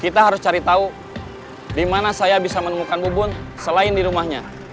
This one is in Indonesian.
kita harus cari tahu di mana saya bisa menemukan bubun selain di rumahnya